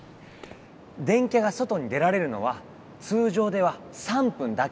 電キャが外に出られるのは通常では３分だけなんだ。